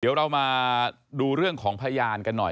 เดี๋ยวเรามาดูเรื่องของพยานกันหน่อย